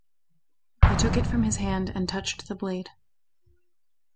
I took it from his hand, and touched the blade.